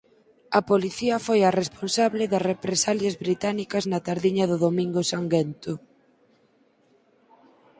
A policía foi a responsable das represalias británicas na tardiña do Domingo Sanguento.